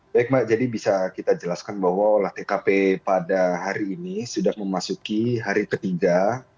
baik mbak jadi bisa kita jelaskan bahwa olah tkp pada hari ini sudah memasuki hari ketiga